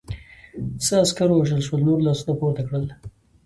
څه عسکر ووژل شول، نورو لاسونه پورته کړل.